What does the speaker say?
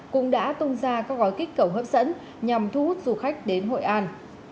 cũng đã tung ra các gói kích cầu hấp dẫn nhằm thu hút du khách đến hội an